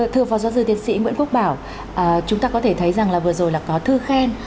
thưa phó giáo sư tiến sĩ nguyễn quốc bảo chúng ta có thể thấy rằng là vừa rồi là có thư khen